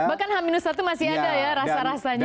bahkan h satu masih ada ya rasa rasanya